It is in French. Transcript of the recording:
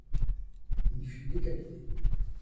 Il y fut décapité.